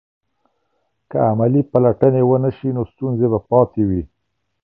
که عملي پلټنې ونه سي نو ستونزې به پاتې وي.